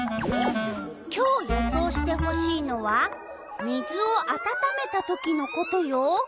今日予想してほしいのは「水をあたためたときのこと」よ。